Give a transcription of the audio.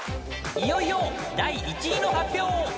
［いよいよ第１位の発表］